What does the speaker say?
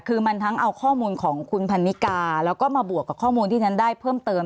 คือมันทั้งเอาข้อมูลของคุณพันนิกาแล้วก็มาบวกกับข้อมูลที่ฉันได้เพิ่มเติม